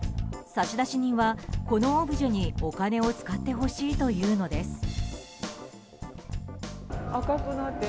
差出人はこのオブジェに、お金を使ってほしいというのです。